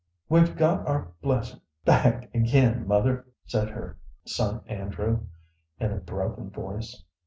"We've got our blessing back again, mother," said her son Andrew, in a broken voice.